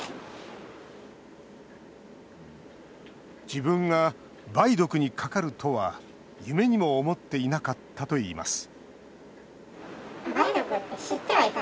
自分が梅毒にかかるとは夢にも思っていなかったといいます